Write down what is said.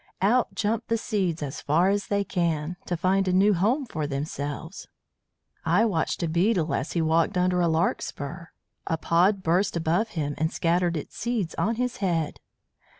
Out jump the seeds as far as they can, to find a new home for themselves. "I watched a beetle as he walked under a larkspur. A pod burst above him and scattered its seeds on his head.